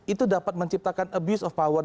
itu dapat menciptakan abuse of power